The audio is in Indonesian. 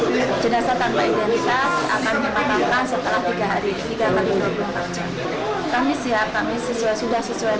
rumah sakit memfasilitasi hal tersebut